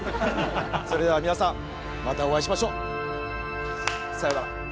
それでは皆さんまたお会いしましょう。さようなら。